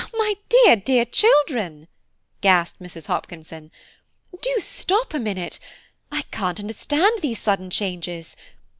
"My dear, dear children," gasped Mrs. Hopkinson, "do stop a minute, I can't understand these sudden changes.